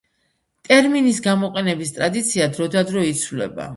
ტერმინის გამოყენების ტრადიცია დროდადრო იცვლება.